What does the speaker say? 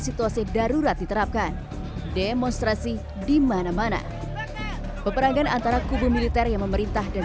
situasi darurat diterapkan demonstrasi di mana mana peperangan antara kubu militer yang memerintah dan